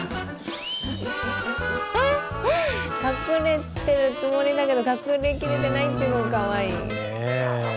隠れてるつもりだけど隠れきれてないというのがかわいい。